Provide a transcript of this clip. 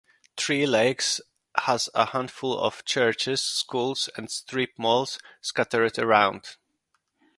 Three Lakes has a handful of churches, schools, and strip malls scattered around.